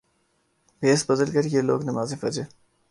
بھیس بدل کریہ لوگ نماز فجر